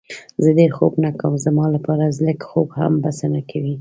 زه ډېر خوب نه کوم، زما لپاره لږ خوب هم بسنه کوي.